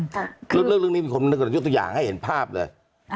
ตรงนี้ให้เห็นภาพเลย